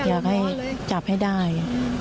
อยากให้จับให้ได้